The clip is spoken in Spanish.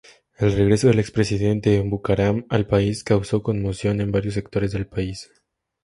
El regreso del expresidente Bucaram al país causó conmoción en varios sectores del país.